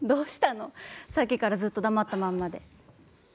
さっきからずっと黙ったまんまで。